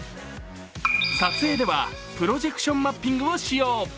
撮影ではプロジェクションマッピングを使用。